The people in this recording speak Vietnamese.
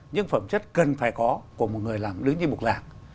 những phẩm chất cần phải có của một người làm đứng trên bục giảng